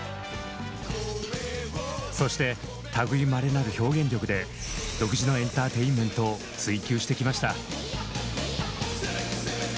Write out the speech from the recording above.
そして類いまれなる表現力で独自のエンターテインメントを追求してきました。